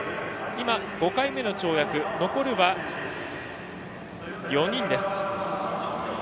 今、５回目の跳躍残るは５人です。